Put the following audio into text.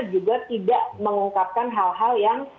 juga tidak mengungkapkan hal hal yang